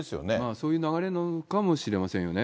そういう流れなのかもしれませんよね。